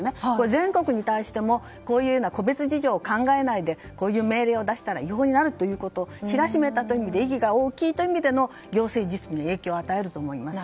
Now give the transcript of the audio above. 全国に対してもこういう個別事情を考えないでこういう命令を出したら違法になると知らしめたということで意義が大きいという意味での行政実務に影響を与えると思います。